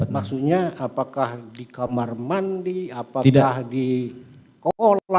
maksudnya apakah di kamar mandi apakah di kolam